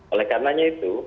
oleh karenanya itu